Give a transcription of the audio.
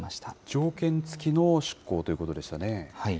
条件付きの出航ということでしたね。